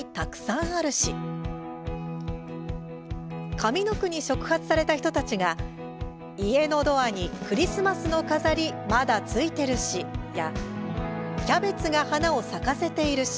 上の句に触発された人たちが「家のドアにクリスマスの飾りまだついてるし」や「キャベツが花を咲かせているし」